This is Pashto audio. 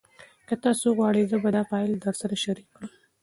که تاسي وغواړئ زه به دا فایل درسره شریک کړم.